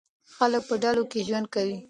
خلک په ډلو کې ژوند کوي.